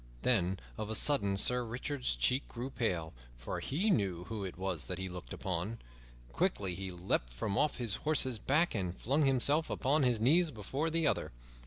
Then of a sudden Sir Richard's cheeks grew pale, for he knew who it was that he looked upon. Quickly he leaped from off his horse's back and flung himself upon his knees before the other.